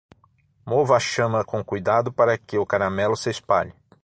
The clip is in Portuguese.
Mova a chama com cuidado para que o caramelo se espalhe.